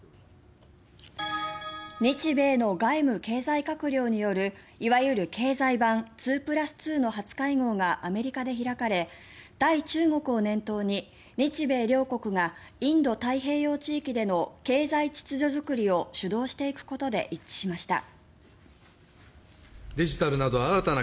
日米の外務・経済閣僚によるいわゆる経済版２プラス２の初会合がアメリカで開かれ対中国を念頭に日米両国がインド太平洋地域での経済秩序作りを主導していくことで一致しました。